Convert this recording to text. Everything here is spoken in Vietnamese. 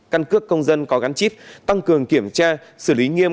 căn cước công dân có gắn chip tăng cường kiểm tra xử lý nghiêm